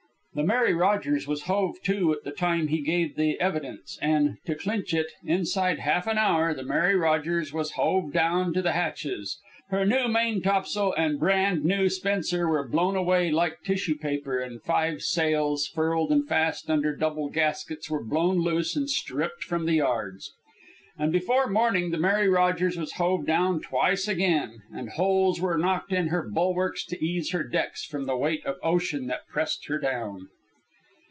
The Mary Rogers was hove to at the time he gave the evidence, and, to clinch it, inside half an hour the Mary Rogers was hove down to the hatches. Her new maintopsail and brand new spencer were blown away like tissue paper; and five sails, furled and fast under double gaskets, were blown loose and stripped from the yards. And before morning the Mary Rogers was hove down twice again, and holes were knocked in her bulwarks to ease her decks from the weight of ocean that pressed her down.